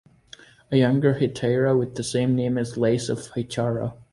A younger hetaira with the same name was Lais of Hyccara.